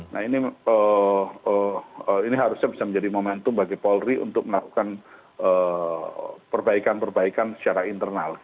nah ini harusnya bisa menjadi momentum bagi polri untuk melakukan perbaikan perbaikan secara internal